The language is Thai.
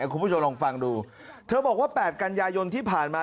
คุณผู้ชมลองฟังดูเธอบอกว่า๘กันยายนที่ผ่านมา